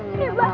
aduh ya ampun